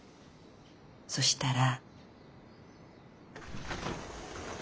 そしたら。